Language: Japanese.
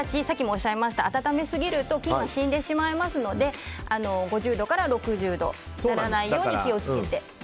温めすぎると菌が死んでしまいますので５０度から６０度にならないように気を付けて。